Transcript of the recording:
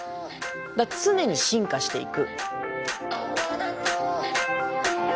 常に進化していく。